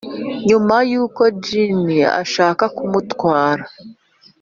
nyuma yuko jinny ashaka kumutwara